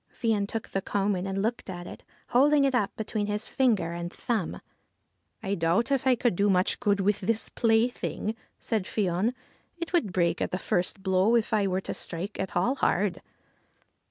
Fion took the coman and looked at it, holding it up between his finger and thumb. ' I doubt if I could do much good with this plaything," said Fion ;' it would break at first blow if I were to strike at all hard.'